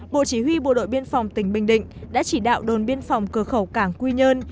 bộ chỉ huy bộ đội biên phòng tỉnh bình định đã chỉ đạo đồn biên phòng cửa khẩu cảng quy nhơn